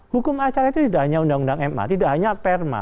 hukum acara itu tidak hanya undang undang ma tidak hanya perma